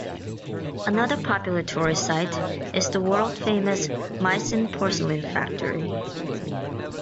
Another popular tourist sight is the world-famous Meissen porcelain factory.